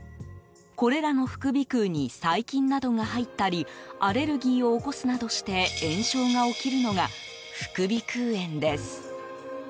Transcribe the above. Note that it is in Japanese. これらの副鼻腔に細菌などが入ったりアレルギーを起こすなどして炎症が起きるのが副鼻腔炎です。